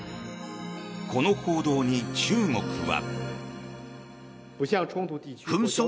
この報道に中国は。